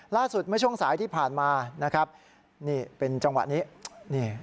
ล่าสุดเมื่อช่วงสายที่ผ่านมาเป็นจังหวะนี้